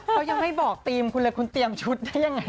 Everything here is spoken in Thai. เขายังไม่บอกทีมคุณเลยคุณเตรียมชุดได้ยังไง